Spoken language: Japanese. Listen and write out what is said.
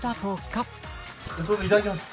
いただきます！